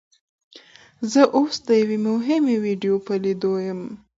زه اوس د یوې مهمې ویډیو په لیدو یم.